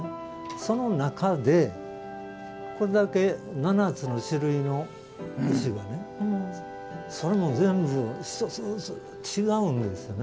その中で、これだけ７つの種類の石がそれも全部１つずつ違うんですね。